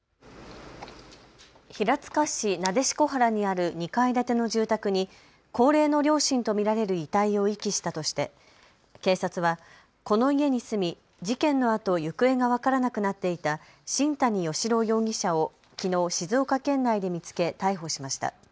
平塚市撫子原にある２階建ての住宅に高齢の両親と見られる遺体を遺棄したとして警察はこの家に住み、事件のあと行方が分からなくなっていた新谷嘉朗容疑者をきのう静岡県内で見つけ逮捕しました。